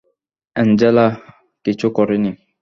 Angela কিচ্ছু করেনি!